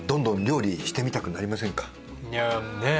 いやあねえ。